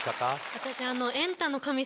私。